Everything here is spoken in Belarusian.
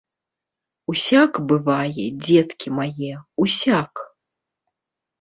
Усяк бывае, дзеткі мае, усяк!